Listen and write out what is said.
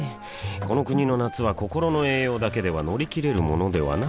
この国の夏は心の栄養だけでは乗り切れるものではない